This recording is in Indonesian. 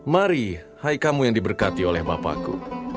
mari hai kamu yang diberkati oleh bapakku